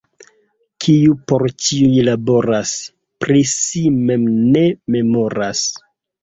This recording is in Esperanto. Kiu por ĉiuj laboras, pri si mem ne memoras.